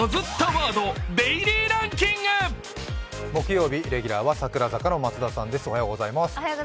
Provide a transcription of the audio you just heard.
木曜日、レギュラーは櫻坂の松田さんです。